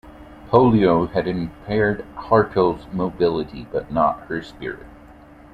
Polio had impaired Hartel's mobility but not her spirit.